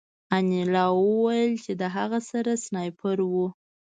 انیلا وویل چې د هغه سره سنایپر و